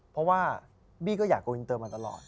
เพราะว่าบี้ก็อยากโกวินเตอร์มาตลอด